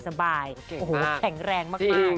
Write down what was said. เก่งมากจริงแข็งแรงมาก